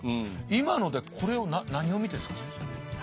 今のでこれを何を見てるんですか先生。